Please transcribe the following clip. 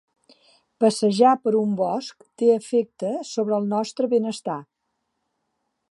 Passejar per un bosc té efecte sobre el nostre benestar.